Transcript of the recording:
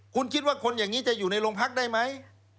คุณคิดว่าคนอย่างนี้จะอยู่ในโรงพักได้ไหม